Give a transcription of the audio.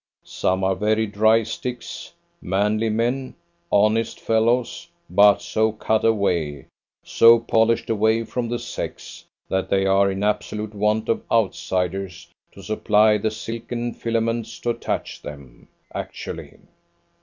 Some are very dry sticks; manly men, honest fellows, but so cut away, so polished away from the sex, that they are in absolute want of outsiders to supply the silken filaments to attach them. Actually!"